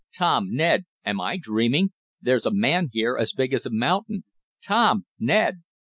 "Tom Ned am I dreaming? There's a man here as big as a mountain. Tom! Ned!"